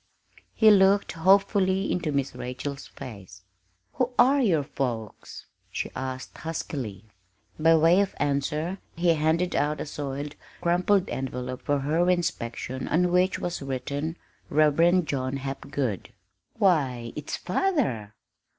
He looked hopefully into Miss Rachel's face. "Who are your folks?" she asked huskily. By way of answer he handed out a soiled, crumpled envelope for her inspection on which was written, "Reverend John Hapgood." "Why it's father!"